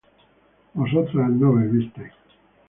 vosotras no bebisteis